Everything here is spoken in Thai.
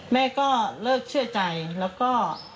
แม่ก็เลิกเชื่อใจแล้วก็